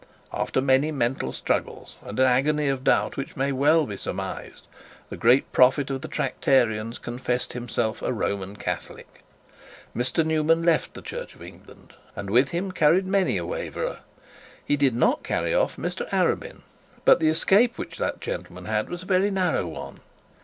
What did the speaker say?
After many mental struggles, and an agony of doubt which may be well surmised, the great prophet of the Tractarians confessed himself a Roman Catholic. Mr Newman left the Church of England, and with him carried many a waverer. He did not carry off Mr Arabin, but the escape which that gentleman had was a very narrow one.